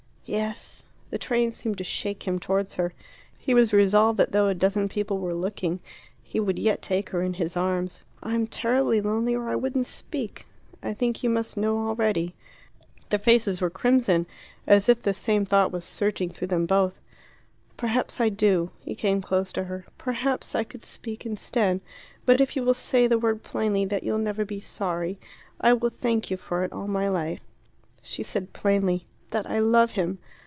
"Yes." The train seemed to shake him towards her. He was resolved that though a dozen people were looking, he would yet take her in his arms. "I'm terribly lonely, or I wouldn't speak. I think you must know already." Their faces were crimson, as if the same thought was surging through them both. "Perhaps I do." He came close to her. "Perhaps I could speak instead. But if you will say the word plainly you'll never be sorry; I will thank you for it all my life." She said plainly, "That I love him."